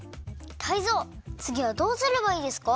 タイゾウつぎはどうすればいいですか？